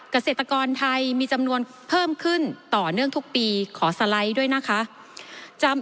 เกษตรกรไทยมีจำนวนเพิ่มขึ้นต่อเนื่องทุกปีขอสไลด์ด้วยนะคะ